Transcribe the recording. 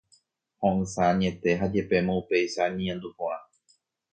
Ho'ysã añete ha jepémo upéicha añeñandu porã.